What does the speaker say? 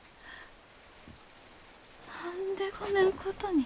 何でこねんことに。